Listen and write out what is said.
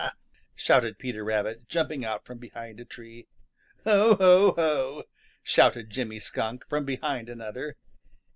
shouted Peter Rabbit, jumping out from behind a tree. "Ho, ho, ho!" shouted Jimmy Skunk from behind another.